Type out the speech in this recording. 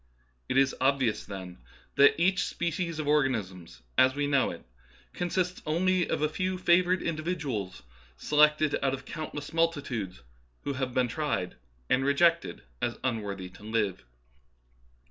It is obvious, then, that each species of organisms, as we know it, consists only of a few favoured individuals selected out of countless multitudes who have been tried and re jected as unworthy to live.